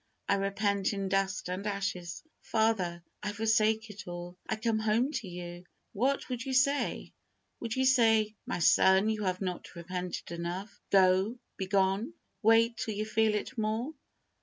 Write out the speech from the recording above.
I repent in dust and ashes. Father! I forsake it all! I come home to you!" What would you say? Would you say, "My son, you have not repented enough. Go! begone! Wait till you feel it more!"